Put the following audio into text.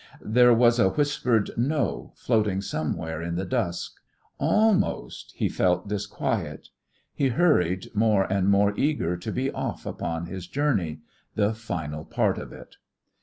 There was a whispered "No" floating somewhere in the dusk. Almost he felt disquiet. He hurried, more and more eager to be off upon his journey the final part of it.